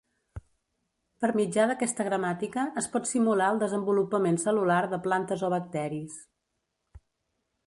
Per mitjà d'aquesta gramàtica es pot simular el desenvolupament cel·lular de plantes o bacteris.